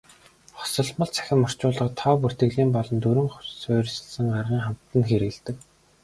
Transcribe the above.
Хосолмол цахим орчуулгад тоо бүртгэлийн болон дүрэм суурилсан аргыг хамтад нь хэрэглэдэг.